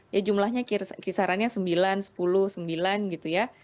ya jumlahnya kisarannya sembilan sepuluh sembilan gitu ya